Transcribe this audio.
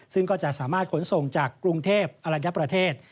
ซึ่งก็จะสามารถขนส่งจากกรุงเทพอรัญญประเทศ